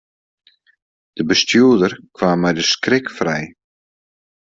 De bestjoerder kaam mei de skrik frij.